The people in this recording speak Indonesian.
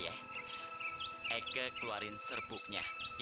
aku akan keluarkan serbuknya